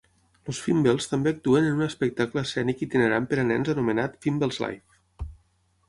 Els Fimbles també actuen en un espectacle escènic itinerant per a nens anomenat Fimbles Live!